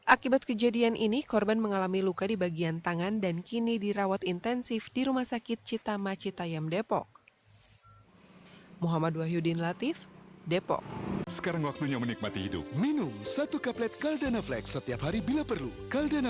akibat kejadian ini korban mengalami luka di bagian tangan dan kini dirawat intensif di rumah sakit citama citayam depok